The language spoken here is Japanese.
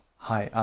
はい。